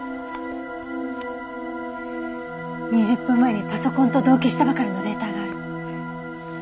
２０分前にパソコンと同期したばかりのデータがある。